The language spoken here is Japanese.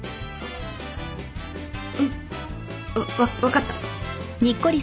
うん。わっ分かった。